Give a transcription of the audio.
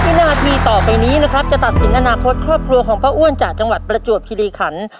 วันนี้ก็จะตัดสินอาณาคตข้อคลับครัวของพ่ออ้วนจากจังหวัดประจวบภิริขันภ์